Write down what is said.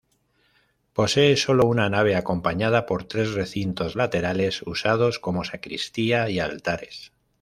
Posee solo una nave, acompañada por tres recintos laterales usados como sacristía y altares.